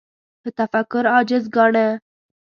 له تفکر عاجز ګاڼه